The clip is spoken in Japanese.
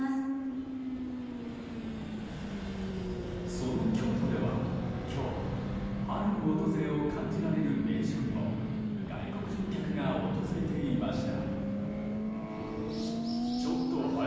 その京都では、今日春の訪れを感じられる名所にも外国人客が訪れていました。